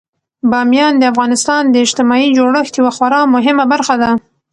بامیان د افغانستان د اجتماعي جوړښت یوه خورا مهمه برخه ده.